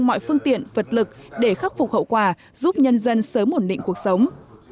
mọi phương tiện vật lực để khắc phục hậu quả giúp nhân dân sớm ổn định cuộc sống